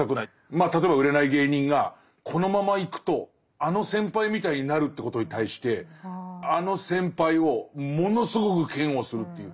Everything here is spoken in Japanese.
まあ例えば売れない芸人がこのままいくとあの先輩みたいになるということに対してあの先輩をものすごく嫌悪するっていう。